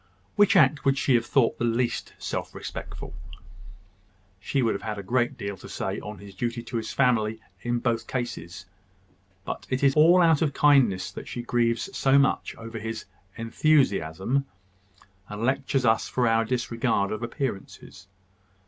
Which act would she have thought the least self respectful?" "She would have had a great deal to say on his duty to his family in both cases. But it is all out of kindness that she grieves so much over his `enthusiasm,' and lectures us for our disregard of appearances.